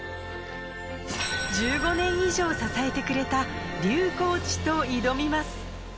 １５年以上支えてくれたリュウコーチと挑みます。